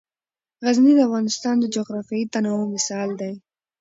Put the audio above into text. غزني د افغانستان د جغرافیوي تنوع مثال دی.